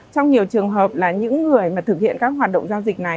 trong nhiều trường hợp là những người mà thực hiện các hoạt động giao dịch này